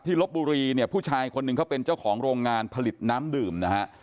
ลบบุรีเนี่ยผู้ชายคนหนึ่งเขาเป็นเจ้าของโรงงานผลิตน้ำดื่มนะฮะ